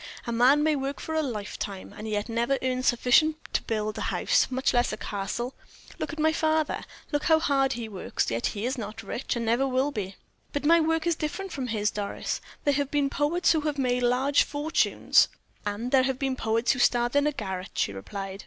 "A man may work for a lifetime and yet never earn sufficient to build a house, much less a castle. Look at my father, how hard he works, yet he is not rich, and never will be." "But my work is different from his, Doris. There have been poets who have made large fortunes." "And there have been poets who starved in a garret," she replied.